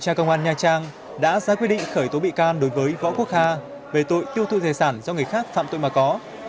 tra công an nha trang đã ra quyết định khởi tố bị can đối với võ quốc hà về tội tiêu thụ tài sản do người khác phạm tội mà có